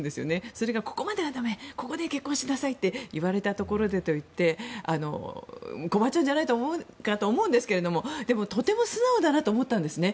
それが、ここまではだめここで結婚しなさいと言われたところでといって困っちゃうんじゃないかと思うんですけどでも、とても素直だなと思ったんですね。